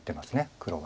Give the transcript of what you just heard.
黒は。